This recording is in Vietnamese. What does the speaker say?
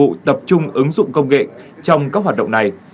các cục nghiệp vụ tập trung ứng dụng công nghệ trong các hoạt động này